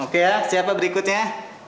oke ya siapa berikutnya